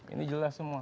ini jelas semua